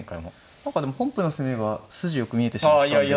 何かでも本譜の攻めは筋よく見えてしまったんで。